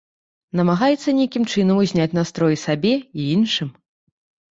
Намагаецца нейкім чынам узняць настрой і сабе, і іншым.